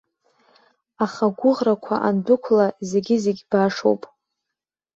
Аха агәыӷрақәа андәықәла, зегьзегь башоуп.